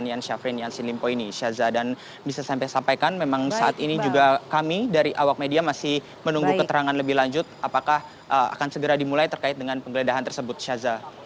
pertanian syafrin yassin limpo ini syaza dan bisa sampai sampaikan memang saat ini juga kami dari awak media masih menunggu keterangan lebih lanjut apakah akan segera dimulai terkait dengan penggeledahan tersebut syaza